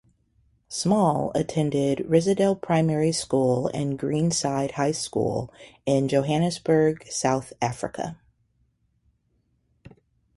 Small attended "Risidale Primary School and Greenside High School" in Johannesburg, South Africa.